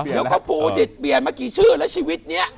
เดี๋ยวก็ภูดิษฐ์เปลี่ยนมากี่ชื่อแล้วชีวิตเนี่ย